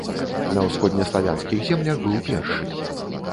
На ўсходнеславянскіх землях быў першы.